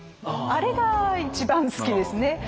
あれが一番好きですね。